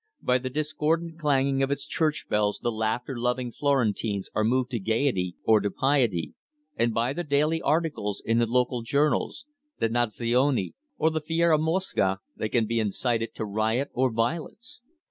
By the discordant clanging of its church bells the laughter loving Florentines are moved to gaiety, or to piety, and by the daily articles in the local journals, the Nazione or the Fieramosca, they can be incited to riot or violence.